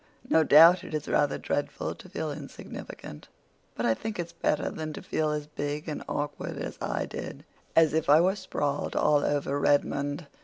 No doubt it is rather dreadful to feel insignificant; but I think it's better than to feel as big and awkward as I did—as if I were sprawled all over Redmond.